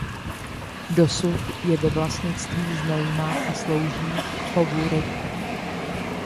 Dosud je ve vlastnictví Znojma a slouží k chovu ryb.